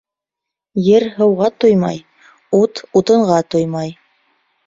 Ер һыуға туймай, ут утынға туймай.